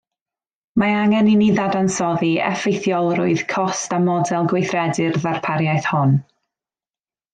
Mae angen i ni ddadansoddi effeithiolrwydd cost a model gweithredu'r ddarpariaeth hon